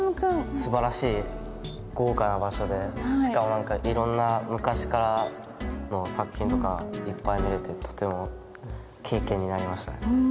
すばらしい豪華な場所でしかもいろんな昔からの作品とかいっぱい見れてとても経験になりましたね。